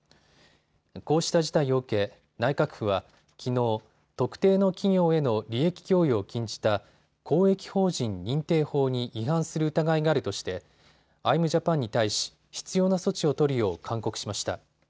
こうした事態を受け、内閣府はきのう、特定の企業への利益供与を禁じた公益法人認定法に違反する疑いがあるとしてアイム・ジャパンに対し必要な措置を取るよう勧告しました。